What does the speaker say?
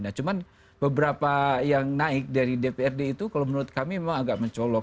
nah cuman beberapa yang naik dari dprd itu kalau menurut kami memang agak mencolok